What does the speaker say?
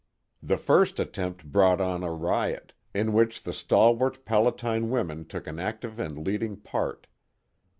The first attempt brought on a riot, in which the stalwart Palatine women took an active and leading part.